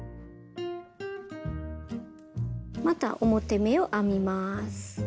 また表目を編みます。